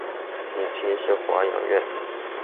母亲是华阳院。